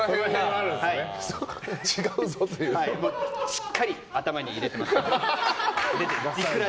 しっかり頭に入れていますから。